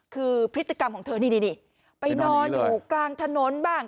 คือพฤติกรรมของเธอนี่ไปนอนอยู่กลางถนนบ้าง